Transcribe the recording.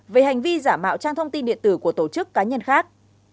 về hành vi giả mạo trang thông tin điện tử của tổ chức cá nhân khác